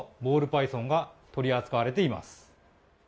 パイソンが取り扱われています。